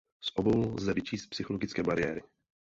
Z obou lze vyčíst psychologické bariéry.